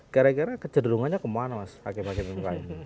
kira kira kecenderungannya kemana mas hakim hakim lain